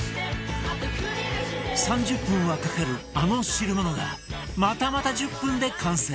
３０分はかかるあの汁物がまたまた１０分で完成